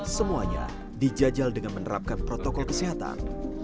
semuanya dijajal dengan menerapkan protokol kesehatan